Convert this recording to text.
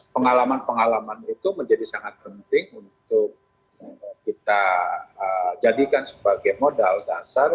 pengalaman pengalaman itu menjadi sangat penting untuk kita jadikan sebagai modal dasar